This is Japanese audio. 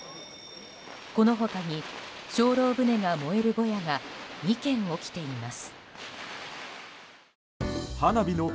この他に精霊船が燃えるぼやが２件起きています。